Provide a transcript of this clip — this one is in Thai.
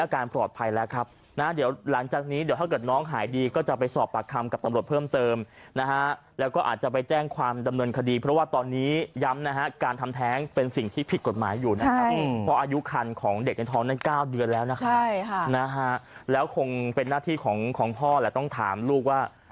การปลอดภัยแล้วครับนะเดี๋ยวหลังจากนี้เดี๋ยวถ้าเกิดน้องหายดีก็จะไปสอบปากคำกับตำรวจเพิ่มเติมนะฮะแล้วก็อาจจะไปแจ้งความดำเนินคดีเพราะว่าตอนนี้ย้ำนะฮะการทำแท้งเป็นสิ่งที่ผิดกฎหมายอยู่นะครับเพราะอายุคันของเด็กในท้องนั้น๙เดือนแล้วนะครับใช่ค่ะนะฮะแล้วคงเป็นหน้าที่ของพ่อแหละต้องถามลูกว่า